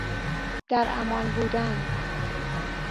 در امان بودن